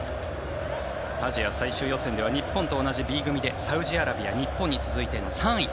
アジア最終予選では日本と同じＢ組でサウジアラビア日本に続いての３位。